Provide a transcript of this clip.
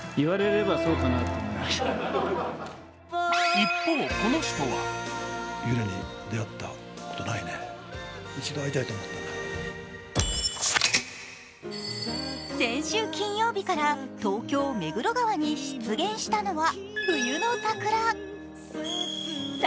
一方、この人は先週金曜日から東京・目黒川に出現したのは冬の桜。